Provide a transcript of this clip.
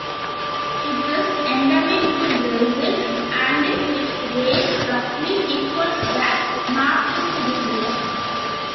It is endemic to Brazil, and its range roughly equals the Northeast Region.